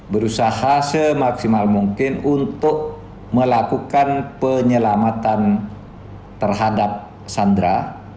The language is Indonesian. berusaha semaksimal mungkin untuk melakukan penyelamatan terhadap sandera